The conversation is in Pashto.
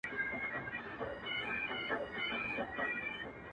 ځکه ډلي جوړوي د شریکانو٫